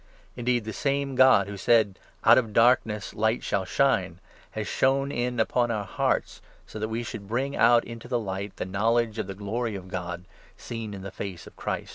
Indeed, the same God who said 6 'Out of darkness light shall shine,' has shone in upon our hearts, so that we should bring out into the light the knowledge of the glory of God, seen in the face of Christ.